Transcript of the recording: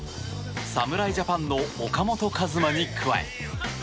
侍ジャパンの岡本和真に加え